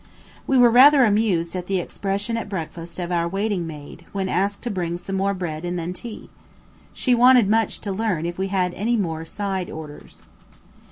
We were rather amused at the expression at breakfast of our waiting maid when asked to bring some more bread and then tea. She wanted much to learn if we had any more "side orders."